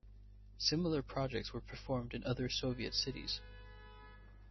Similar projects were performed in other Soviet cities.